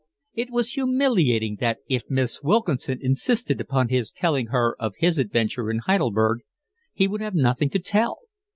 It was humiliating that if Miss Wilkinson insisted upon his telling her of his adventures in Heidelberg he would have nothing to tell.